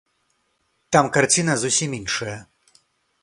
Там карціна зусім іншая.